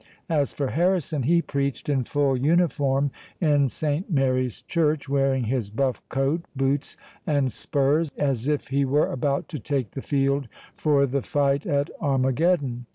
As for Harrison, he preached in full uniform in Saint Mary's Church, wearing his buff coat, boots, and spurs, as if he were about to take the field for the fight at Armageddon.